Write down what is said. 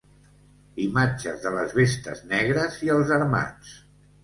Imatges de les vestes negres i els armats.